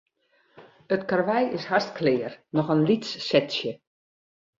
It karwei is hast klear, noch in lyts setsje.